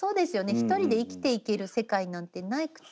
１人で生きていける世界なんてなくて。